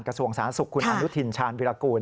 กระทรวงสร้างสุคคลออชาญวิรกูล